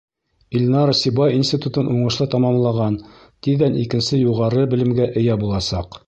Илнара Сибай институтын уңышлы тамамлаған, тиҙҙән икенсе юғары белемгә эйә буласаҡ.